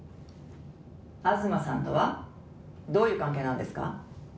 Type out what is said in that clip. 「東さんとはどういう関係なんですか？」